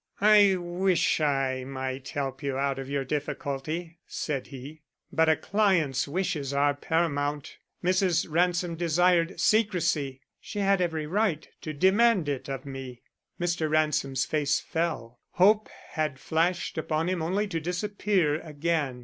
"I wish I might help you out of your difficulty," said he. "But a client's wishes are paramount. Mrs. Ransom desired secrecy. She had every right to demand it of me." Mr. Ransom's face fell. Hope had flashed upon him only to disappear again.